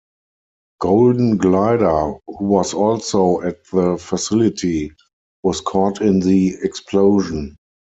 Golden Glider, who was also at the facility, was caught in the explosion.